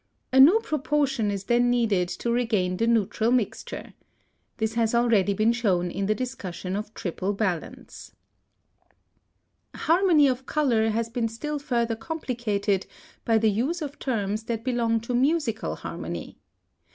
A new proportion is then needed to regain the neutral mixture. This has already been shown in the discussion of triple balance (paragraph 82). (148) Harmony of color has been still further complicated by the use of terms that belong to musical harmony.